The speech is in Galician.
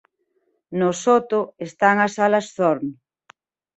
No soto están as salas Thorne.